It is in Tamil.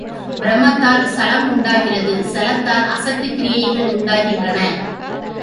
ப்ரமத்தால் சளம் உண்டாகிறது சளத்தால் அசட்டுக் கிரியைகள் உண்டாகின்றன.